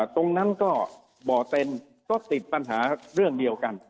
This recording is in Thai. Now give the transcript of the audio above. ตรงนั้นก็บ่อเต็นก็ติดปัญหาเรื่องเดียวกัน